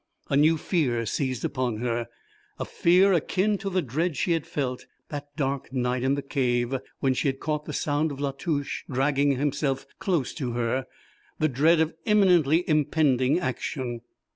A new fear seized upon her, a fear akin to the dread she had felt that dark night in the cave when she had caught the sound of La Touche dragging himself close to her, the dread of imminently impending action.